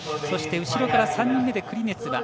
そして、後ろから３人目でクリネツ。